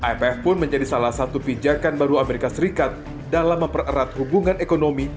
imf pun menjadi salah satu pijakan baru amerika serikat dalam mempererat hubungan ekonomi